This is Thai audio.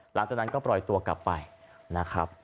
หลังจากนั้นก็ปล่อยตัวกลับไปนะครับ